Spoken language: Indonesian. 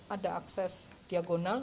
ada akses diagonal